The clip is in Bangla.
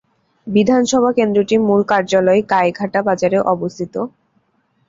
বিধানসভা কেন্দ্রটির মূল কার্যালয় গাইঘাটা বাজারে অবস্থিত।